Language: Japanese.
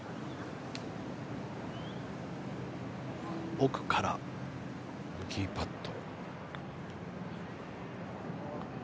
奥からボギーパット。